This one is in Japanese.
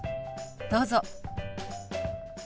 どうぞ。